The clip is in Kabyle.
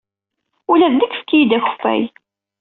Ula d nekk efk-iyi-d akeffay.